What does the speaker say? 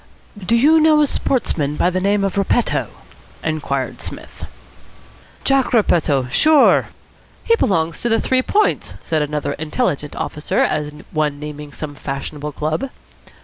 "Do you know a sportsman of the name of Repetto?" inquired Psmith. "Jack Repetto! Sure." "He belongs to the Three Points," said another intelligent officer, as one naming some fashionable club.